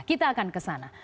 kita akan kesana